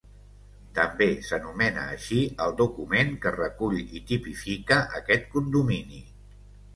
També s'anomena així el document que recull i tipifica aquest condomini.